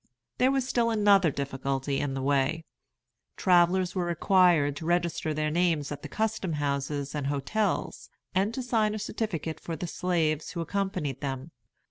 There was still another difficulty in the way. Travellers were required to register their names at the custom houses and hotels, and to sign a certificate for the slaves who accompanied them.